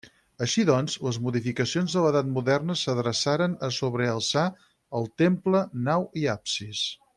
Així doncs, les modificacions de l'edat moderna s'adreçaren a sobrealçar el temple, nau i absis.